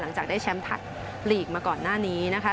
หลังจากได้แชมป์ถัดลีกมาก่อนหน้านี้นะคะ